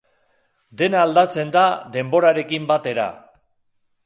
Dena aldatzen da denborarekin batera.